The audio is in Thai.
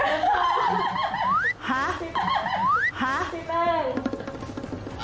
ฮะ